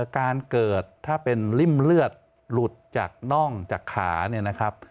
การเกิดถ้าเป็นริ่มเลือดหลุดจากน่องจากขาเนี่ยนะครับ